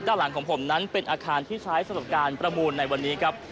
ด้านหลังของผมนั้นเป็นอาคารที่ใช้สำหรับการประมูลในวันนี้ครับ